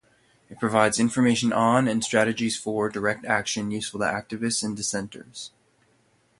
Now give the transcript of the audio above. It provides information on and strategies for direct action useful to activists and dissenters.